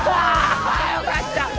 よかった！